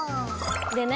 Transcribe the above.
でね